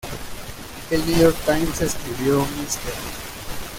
El New York Times escribió: "Mr.